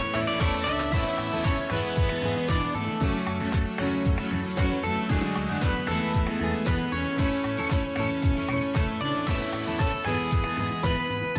โปรดติดตามตอนต่อไป